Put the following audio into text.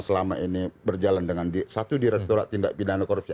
selama ini berjalan dengan satu direkturat tindak pidana korupsi